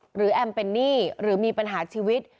แอมเป็นหนี้หรือมีปัญหาชีวิต